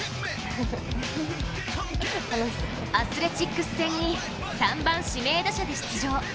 アスレチックス戦に３番指名打者で出場。